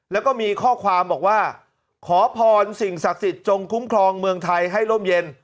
แล้วก็มีข้อความบอกว่าขอพรสิ่งศักดิ์สิทธิ์จงคุ้มครองเมืองไทยให้ร่มเย็น